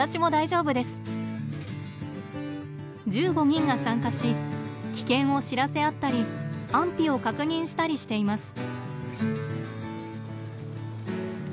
１５人が参加し危険を知らせ合ったり安否を確認したりしています。